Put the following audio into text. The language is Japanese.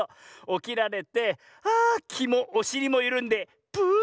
おきられてあきもおしりもゆるんでプーッ。